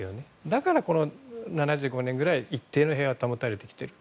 だから７５年ぐらい一定の平和が保たれてきている。